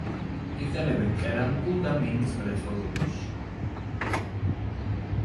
იყენებენ კერამიკულ და მინის მრეწველობაში.